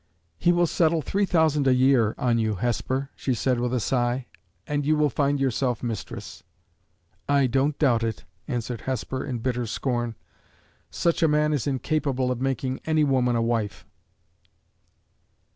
"He will settle three thousand a year on you, Hesper," she said with a sigh; "and you will find yourself mistress." "I don't doubt it," answered Hesper, in bitter scorn. "Such a man is incapable of making any woman a wife."